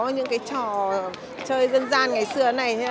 những cái trò chơi dân gian ngày xưa này